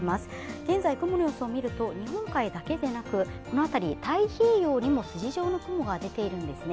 現在雲の様子を見ると、日本海だけでなくこの辺り、太平洋にも筋状の雲が出ているんですね。